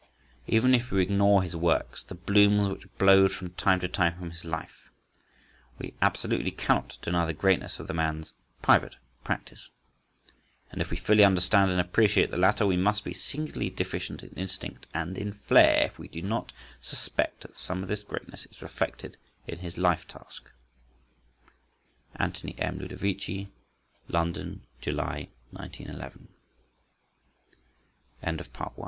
Even if we ignore his works—the blooms which blowed from time to time from his life—we absolutely cannot deny the greatness of the man's private practice, and if we fully understand and appreciate the latter, we must be singularly deficient in instinct and in flair if we do not suspect that some of this greatness is reflected in his life task. ANTHONY M. LUDOVICI London, July 1911. THE CASE OF WAGNER